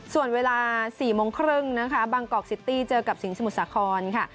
ส่วนเวลา๔โมงครึ่งนะคะบางกอกซิตี้เจอกับสิงห์สมุทรสาครค่ะ